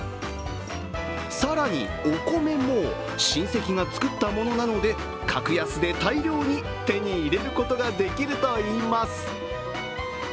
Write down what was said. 更にお米も親戚が作ったものなので格安で大量に手に入れることができるといいます。